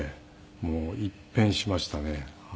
もう一変しましたね。